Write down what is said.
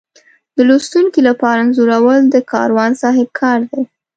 د لوستونکي لپاره انځورول د کاروان صاحب کار دی.